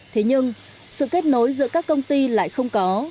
thế nhưng sự kết nối giữa các công ty lại không có